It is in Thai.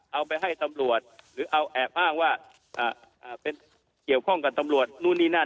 เอาไปให้ตำรวจหรือเอาแอบอ้างว่าเป็นเกี่ยวข้องกับตำรวจนู่นนี่นั่น